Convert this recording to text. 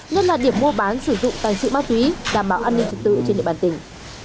nhất là điểm mua bán sử dụng tài sự ma túy đảm bảo an ninh trật tự trên địa bàn tỉnh